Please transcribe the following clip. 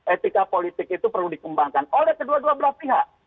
etika politik itu perlu dikembangkan oleh kedua dua belah pihak